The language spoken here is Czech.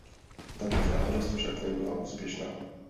Tato žádost však nebyla úspěšná.